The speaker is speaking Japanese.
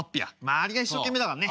周りが一生懸命だからね。